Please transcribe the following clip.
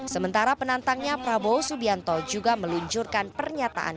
sementara penantangnya prabowo subianto juga meluncurkan pernyataan